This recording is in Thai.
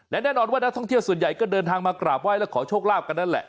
และแน่นอนว่านักท่องเที่ยวส่วนใหญ่ก็เดินทางมากราบไห้และขอโชคลาภกันนั่นแหละ